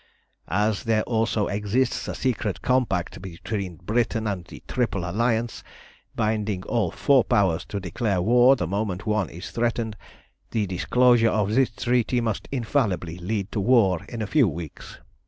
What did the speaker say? "As there also exists a secret compact between Britain and the Triple Alliance, binding all four powers to declare war the moment one is threatened, the disclosure of this treaty must infallibly lead to war in a few weeks.